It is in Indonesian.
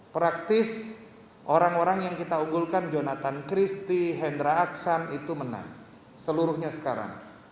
praktis orang orang yang kita unggulkan jonathan christie hendra aksan itu menang seluruhnya sekarang